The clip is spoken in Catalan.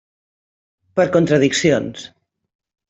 Per contradiccions.